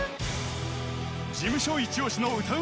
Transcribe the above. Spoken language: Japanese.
［事務所一押しの歌う